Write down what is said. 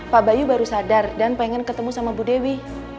pak bayu baru sadar dan pengen ketemu sama bu dewi